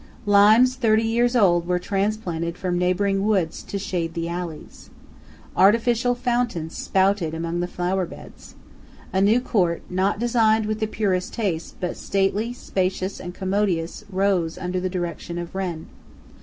Limes thirty years old were transplanted from neighbouring woods to shade the alleys. Artificial fountains spouted among the flower beds. A new court, not designed with the purest taste, but stately, spacious, and commodious, rose under the direction of Wren.